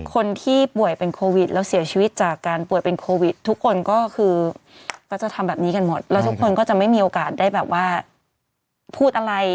คนที่ป่วยเป็นโควิดแล้วเสียชีวิตจากการป่วยเป็นโควิดทุกคนก็คือก็จะทำแบบนี้กันหมดแล้วทุกคนก็จะไม่มีโอกาสได้แบบว่าพูดอะไร